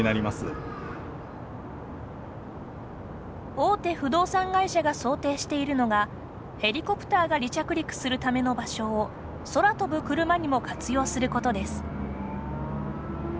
大手不動産会社が想定しているのがヘリコプターが離着陸するための場所を空飛ぶクルマにも活用することです。